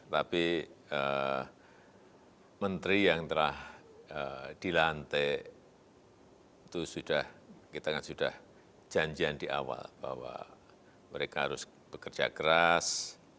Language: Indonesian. tapi menteri yang telah dilantik itu sudah kita kan sudah janjian di awal bahwa mereka harus bekerja keras